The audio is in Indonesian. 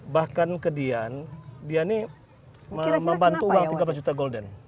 bahkan ke dian dia ini membantu uang tiga belas juta golden